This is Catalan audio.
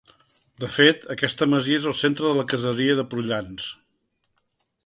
De fet, aquesta masia és el centre de la caseria de Prullans.